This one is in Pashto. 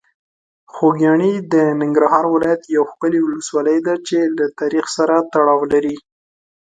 خوږیاڼي د ننګرهار ولایت یوه ښکلي ولسوالۍ ده چې له تاریخ سره تړاو لري.